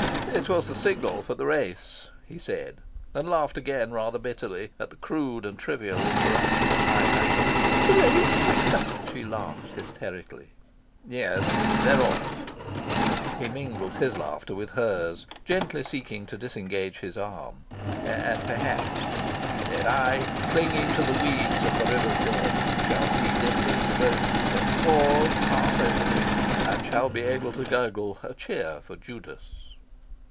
"It was the signal for the race," he said, and laughed again, rather bitterly, at the crude and trivial interruption of high matters. "The race?" She laughed hysterically. "Yes. 'They're off'." He mingled his laughter with hers, gently seeking to disengage his arm. "And perhaps," he said, "I, clinging to the weeds of the river's bed, shall see dimly the boats and the oars pass over me, and shall be able to gurgle a cheer for Judas."